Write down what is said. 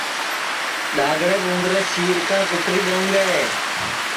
ڈؔاگݪیپ اُوندرے سِیرکاں کُتری دؔیؤں گے